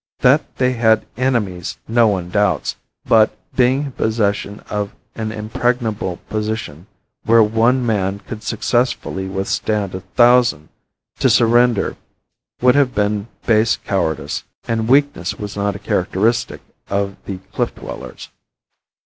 That they had enemies no one doubts, but, being in possession of an impregnable position where one man could successfully withstand a thousand, to surrender would have been base cowardice, and weakness was not a characteristic of the cliff dwellers.